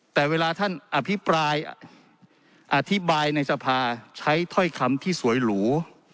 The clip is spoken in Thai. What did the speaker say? แต่เวลาท่านอภิปรายอธิบายในสภาใช้ถ้อยคำที่สวยหรู